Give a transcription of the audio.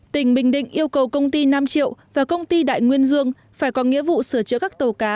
tỉnh bình định yêu cầu công ty nam triệu và công ty đại nguyên dương phải có nghĩa vụ sửa chữa các tàu cá